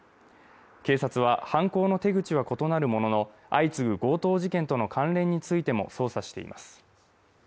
警察は犯行の手口は異なるものの相次ぐ強盗事件との関連についても捜査しています